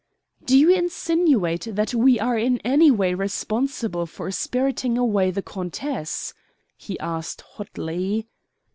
"Do you insinuate that we are in any way responsible for spiriting away the countess?" he asked hotly.